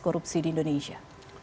korupsi di indonesia